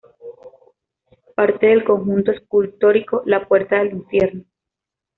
Parte del conjunto escultórico "La Puerta del Infierno".